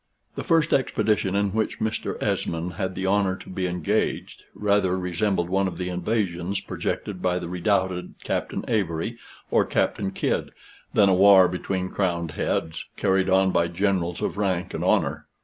The first expedition in which Mr. Esmond had the honor to be engaged, rather resembled one of the invasions projected by the redoubted Captain Avory or Captain Kidd, than a war between crowned heads, carried on by generals of rank and honor.